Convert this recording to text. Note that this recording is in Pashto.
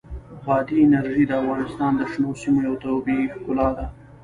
بادي انرژي د افغانستان د شنو سیمو یوه طبیعي ښکلا ده.